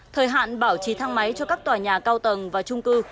thời hạn bảo trì thang máy cho các tòa nhà cao tầng và trung cư